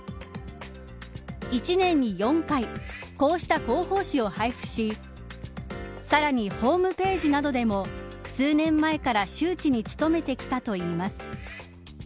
１年に４回こうした広報誌を配布しさらに、ホームページなどでも数年前から周知に努めてきたといいます。